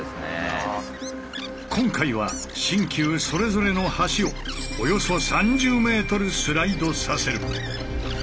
今回は新旧それぞれの橋をおよそ３０ｍスライドさせる。